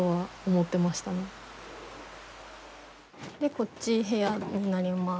こっち部屋になります。